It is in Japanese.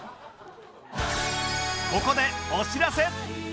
ここでお知らせ！